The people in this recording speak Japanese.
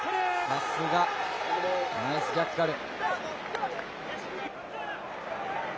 さすが、ナイスジャッカル。